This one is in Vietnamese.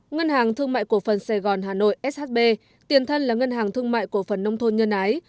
ngân hàng thương mại cổ phần sài gòn hà nội shb tiền thân là ngân hàng thương mại cổ phần nông thôn nhân ái